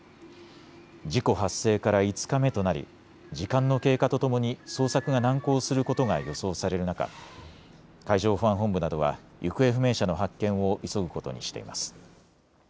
事故発生から５日目となり時間の経過とともに捜索が難航することが予想される中、海上保安本部などは行方不明者の発見を急ぐことにしています。